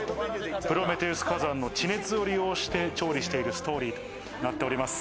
プロメテウス火山の地熱を利用して調理しているストーリーとなっております。